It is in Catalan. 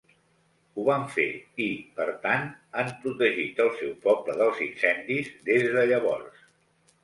Ho van fer i, per tant, han protegit el seu poble dels incendis des de llavors.